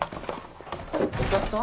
お客さん？